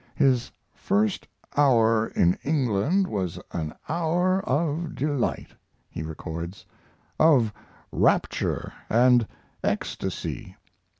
His "first hour in England was an hour of delight," he records; "of rapture and ecstasy.